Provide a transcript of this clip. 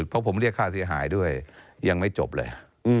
เพราะผมเรียกค่าเสียหายด้วยยังไม่จบเลย